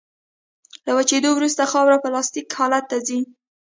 له وچېدو وروسته خاوره پلاستیک حالت ته ځي